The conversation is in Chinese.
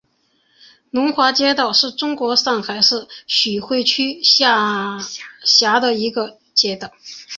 龙华街道是中国上海市徐汇区下辖的一个街道。